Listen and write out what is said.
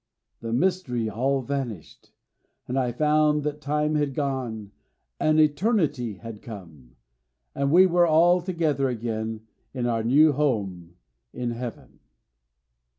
the mystery all vanished, and I found that time had gone and eternity had come, and we were all together again in our new home in Heaven.